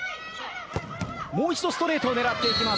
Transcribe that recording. もう一度ストレートを狙っていきます。